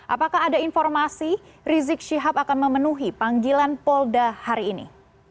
apakah ada informasi rizik syihab akan memenuhi panggilan polda hari ini